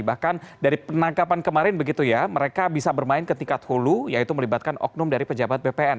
bahkan dari penangkapan kemarin begitu ya mereka bisa bermain ke tingkat hulu yaitu melibatkan oknum dari pejabat bpn